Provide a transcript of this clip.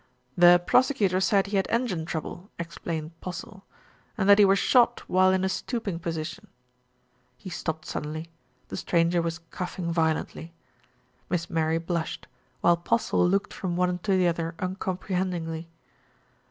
"The prosecutor say he had engine trouble," ex plained Postle, "and that he were shot while in a stooping position " He stopped suddenly. The stranger was coughing violently. Miss Mary blushed, whilst Postle looked from one to the other uncomprehendingly.